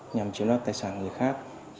nhằm chiếm đoạt tài sản người khác